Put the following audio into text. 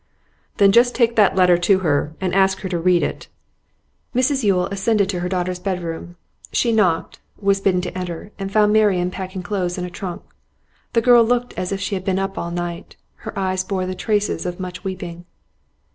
'Then just take that letter to her, and ask her to read it.' Mrs Yule ascended to her daughter's bedroom. She knocked, was bidden enter, and found Marian packing clothes in a trunk. The girl looked as if she had been up all night; her eyes bore the traces of much weeping.